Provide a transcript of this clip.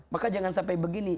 maka jangan sampai begini